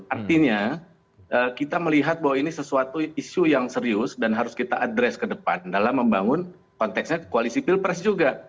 artinya kita melihat bahwa ini sesuatu isu yang serius dan harus kita addres ke depan dalam membangun konteksnya koalisi pilpres juga